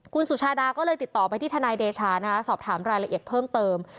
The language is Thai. คุณสุชาดาก็เลยติดต่อไปที่ทนายเดชานะคะสอบถามรายละเอียดเพิ่มเติม